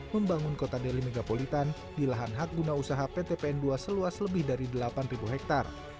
membangun kota deli megapolitan di lahan hak guna usaha pt pn dua seluas lebih dari delapan hektare